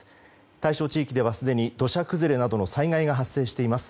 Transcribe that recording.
対象地域ではすでに土砂崩れなどの災害が発生しています。